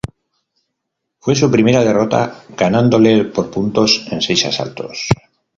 Fue su primera derrota, ganándole por puntos en seis asaltos.